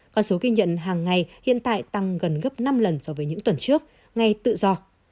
con số ghi nhận hàng ngày hiện tại tăng gần gấp năm lần so với những tuần trước ngay tự do